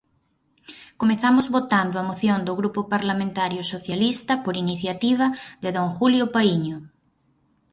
Comezamos votando a Moción do Grupo Parlamentario Socialista, por iniciativa de don Julio Paíño.